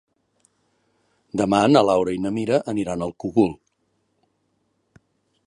Demà na Laura i na Mira aniran al Cogul.